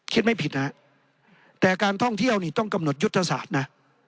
ไม่ผิดนะแต่การท่องเที่ยวนี่ต้องกำหนดยุทธศาสตร์นะ